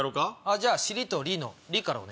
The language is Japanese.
じゃあしりとりの「り」から。